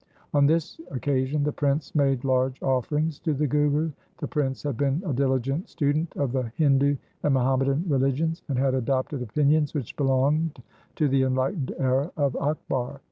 On this occasion the prince made large offerings to the Guru. The prince had been a diligent student of the Hindu and Muham madan religions, and had adopted opinions which belonged to the enlightened era of Akbar.